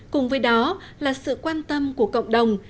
cùng với đó là sự quan tâm của cộng đồng